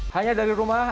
hanya dari rumah